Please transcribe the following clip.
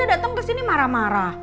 tadi dia datang ke sini marah marah